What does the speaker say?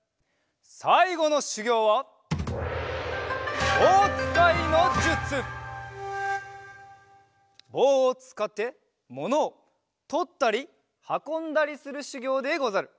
さいごのしゅぎょうはぼうをつかってものをとったりはこんだりするしゅぎょうでござる。